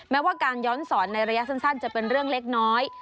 แม้ว่าการย้อนสอนในระยะสั้นจะเป็นเรื่องเล็กน้อย